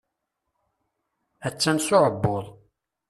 Attan s uƐebbuḍ.